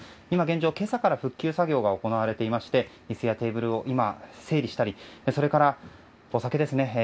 今現状、今朝から復旧作業が行われていまして椅子やテーブルを整理したりそれから、お酒ですね。